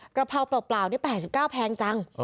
กระเพราเปล่านี่๘๙แพงจัง